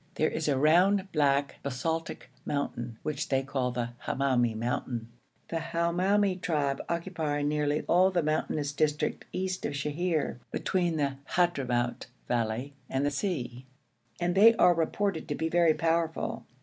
There is a round, black basaltic mountain which they call the Hamoumi mountain. The Hamoumi tribe occupy nearly all the mountainous district east of Sheher, between the Hadhramout valley and the sea, and they are reported to be very powerful.